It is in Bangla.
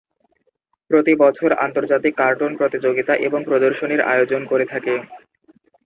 প্রতি বছর আন্তর্জাতিক কার্টুন প্রতিযোগিতা এবং প্রদর্শনীর আয়োজন করে থাকে।